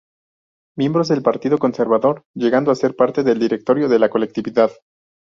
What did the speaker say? Miembro del Partido Conservador, llegando a ser parte del directorio de la colectividad.